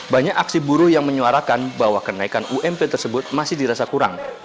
banyak aksi buruh yang menyuarakan bahwa kenaikan ump tersebut masih dirasa kurang